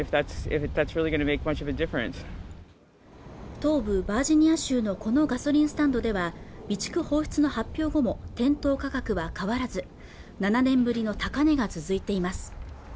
東部バージニア州のこのガソリンスタンドでは備蓄放出の発表後も店頭価格は変わらず７年ぶりの高値が続いています